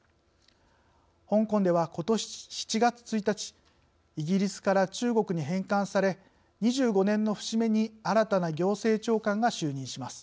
香港ではことし７月１日イギリスから中国に返還され２５年の節目に新たな行政長官が就任します。